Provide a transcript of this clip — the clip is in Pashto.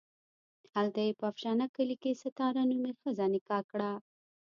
هلته یې په افشنه کلي کې ستاره نومې ښځه نکاح کړه.